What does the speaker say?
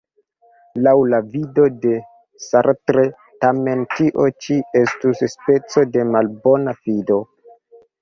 Laŭ la vido de Sartre, tamen, tio ĉi estus speco de malbona fido.